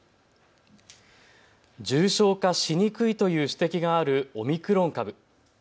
重症化しにくいという指摘があるオミクロン株。